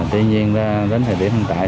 tuy nhiên đến thời điểm hiện tại